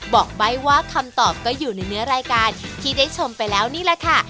บอกใบ้ว่าคำตอบก็อยู่ในเนื้อรายการที่ได้ชมไปแล้วนี่แหละค่ะ